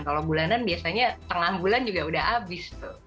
kalau bulanan biasanya tengah bulan juga udah habis tuh